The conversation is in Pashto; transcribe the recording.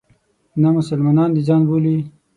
نه مسلمانان د ځان بولي.